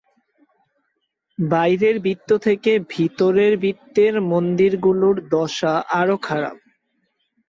বাইরের বৃত্ত থেকে ভিতরের বৃত্তের মন্দিরগুলির দশা আরও খারাপ।